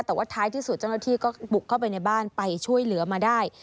แต่ว่าท้ายที่สุดเจ้าหน้าที่ก็บุกเข้าไปในบ้านไปช่วยเหลือมาได้